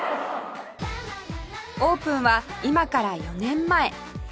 オープンは今から４年前